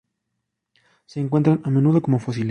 Se encuentran a menudo como fósiles.